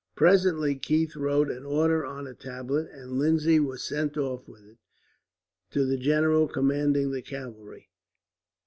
Presently Keith wrote an order on a tablet, and Lindsay was sent off with it, to the general commanding the cavalry.